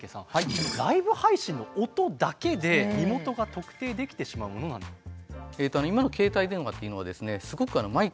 ライブ配信の音だけで身元が特定できてしまうものなんでしょうか？